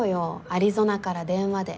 アリゾナから電話で。